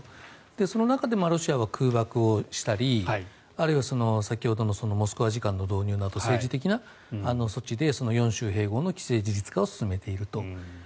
その中でもロシアは空爆をしたりあるいは先ほどのモスクワ時間の導入など政治的な措置で４州併合の規制事実を進めていると。